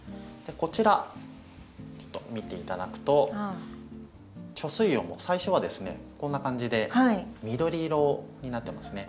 こちらちょっと見て頂くと貯水葉も最初はですねこんな感じで緑色になってますね。